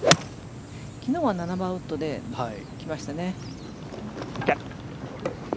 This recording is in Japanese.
昨日は７番ウッドで来ましたね。